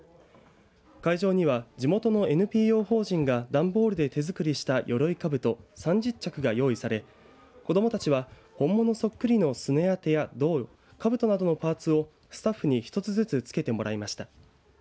会場には地元のＮＰＯ法人が段ボールで手作りしたよろいかぶと３０着が用意され子どもたちは本物そっくりのすね当てや胴、かぶとなどのパーツをスタッフに一つずつつけてもらいました。